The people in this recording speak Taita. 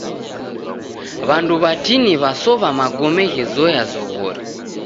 W'andu w'atini w'asowa magome ghezoya zoghori.